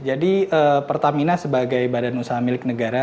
jadi pertamina sebagai badan usaha milik negara